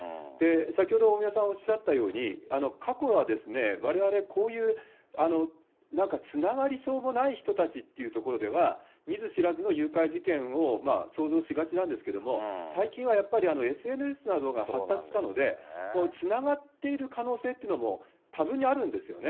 先ほど、大宮さんおっしゃったように、過去はわれわれ、こういうつながりそうもない人たちというのは、見ず知らずの誘拐事件を想像しがちなんですけども、最近はやっぱりＳＮＳなどが発達したので、つながっている可能性というのも多分にあるんですよね。